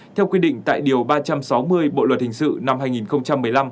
theo quyết định tại điều ba trăm sáu mươi bộ luật thình sự năm hai nghìn một mươi năm